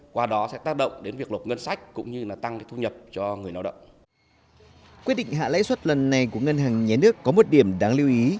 quyết định hạ lãi suất lần này của ngân hàng nhé nước có một điểm đáng lưu ý